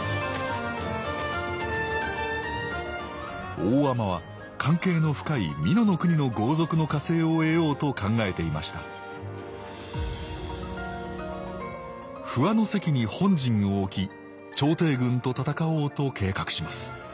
大海人は関係の深い美濃国の豪族の加勢を得ようと考えていました不破関に本陣を置き朝廷軍と戦おうと計画します。